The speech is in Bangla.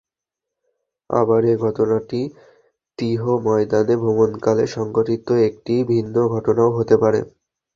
আবার এ ঘটনাটি তীহ ময়দানে ভ্রমণকালে সংঘটিত একটি ভিন্ন ঘটনাও হতে পারে।